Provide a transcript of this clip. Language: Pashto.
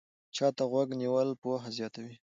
چا ته غوږ نیول پوهه زیاتوي